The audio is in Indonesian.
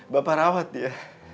bapak rawat dia